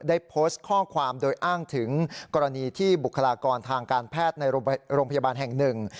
ได้โพสต์ข้อความโดยอ้างถึงกรณีที่บุคลากรทางการแพทย์ในโรงพยาบาลแห่งหนึ่ง